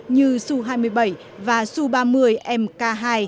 như su hai mươi bảy và su ba mươi mk hai